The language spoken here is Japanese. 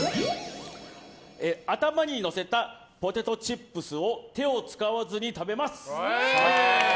頭に乗せたポテトチップスを手を使わず食べます。